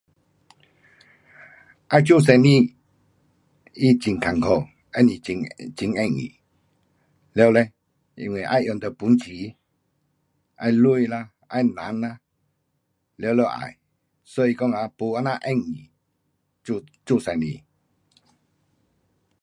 要做生意它很困苦。不是很，很容易。了嘞，因为要用到本钱，要钱啦，要人呐，全部要。所以讲啊，没这样容易做，做生意。